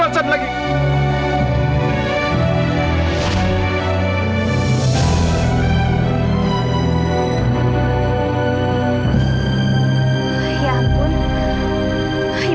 pasti saya akan buat pertanyaan seperti ini